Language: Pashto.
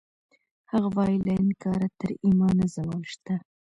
هغه وایی له انکاره تر ایمانه زوال شته